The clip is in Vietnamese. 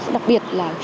đặc biệt là